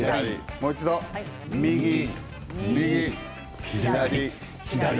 もう一度右、右左、左。